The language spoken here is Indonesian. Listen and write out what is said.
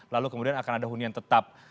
lalu kemudian akan ada hunian tetap